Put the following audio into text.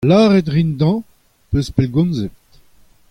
Lavaret a rin dezhañ hoc'h eus pellgomzet.